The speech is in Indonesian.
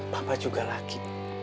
papa juga laki